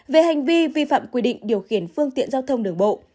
về hành vi vi phạm quy định điều khiển phương tiện giao thông đường bộ